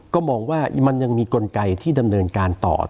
ก็มองว่ามันยังมีกลไกที่ดำเนินการต่อ